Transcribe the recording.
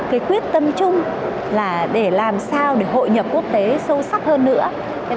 cái quyết tâm chung là để làm sao để hội nhập quốc tế sâu sắc hơn nữa